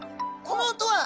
この音は！